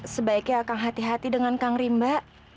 sebaiknya akan hati hati dengan kang rimba